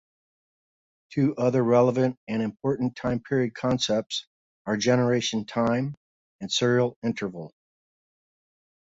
Two other relevant and important time period concepts are generation time and serial interval.